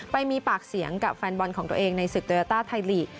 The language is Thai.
ไปมีปากเสียงกับแฟนบอลของตัวเองในศึกโยต้าไทยลีก